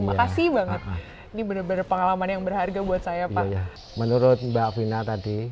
makasih banget ini bener bener pengalaman yang berharga buat saya pak menurut mbak fina tadi